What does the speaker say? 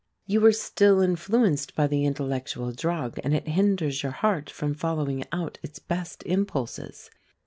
You are still influenced by the intellectual drug, and it hinders your heart from following out its best impulses.